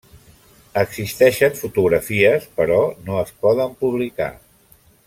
Existeixen fotografies però no es poden publicar.